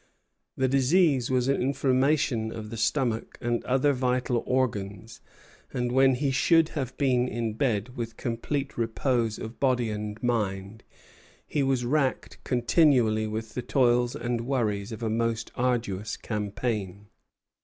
The disease was an inflammation of the stomach and other vital organs; and when he should have been in bed, with complete repose of body and mind, he was racked continually with the toils and worries of a most arduous campaign.